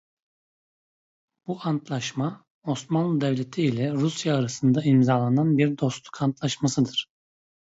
Bu antlaşma Osmanlı Devleti ile Rusya arasında imzalanan bir dostluk antlaşmasıdır.